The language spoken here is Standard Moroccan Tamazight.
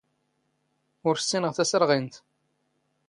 ⵓⵔ ⵙⵙⵉⵏⵖ ⵜⴰⵙⵔⵖⵉⵏⵜ.